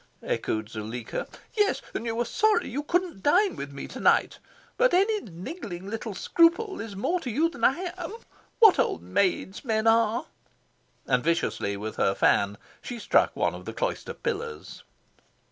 echoed Zuleika. "Yes, and you were 'sorry' you couldn't dine with me to night. But any little niggling scruple is more to you than I am. What old maids men are!" And viciously with her fan she struck one of the cloister pillars.